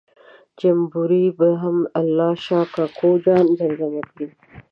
جمبوري به هم الله شا کوکو جان زمزمه کړ.